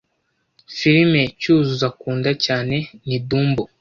Filime Cyuzuzo akunda cyane ni Dumbo.